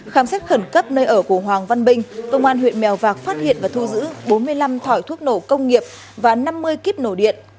khám xét khẩn cấp nơi ở của hoàng văn minh công an huyện mèo vạc phát hiện và thu giữ bốn mươi năm thỏi thuốc nổ công nghiệp và năm mươi kíp nổ điện